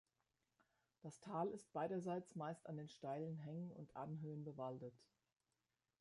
Das Tal ist beiderseits meist an den steilen Hängen und Anhöhen bewaldet.